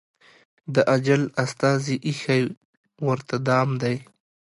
د اجل استازي ایښی ورته دام دی